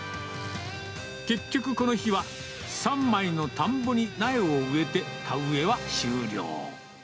結局、この日は３枚の田んぼに苗を植えて、田植えは終了。